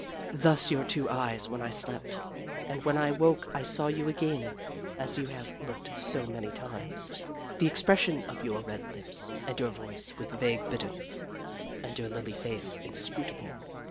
Thus your two eyes when I slept, and when I woke I saw you again as you have looked so many times the expression of your red lips, and your voice with vague bitterness, and your lily face inscrutable.